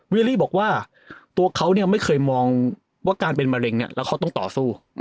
เวียรี่บอกว่าตัวเขาไม่เคยมองว่าการเป็นมะเร็งแล้วเขาต้องต่อสู้